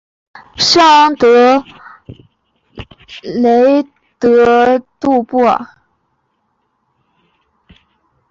圣昂德雷德杜布尔。